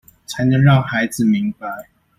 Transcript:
才能讓孩子明白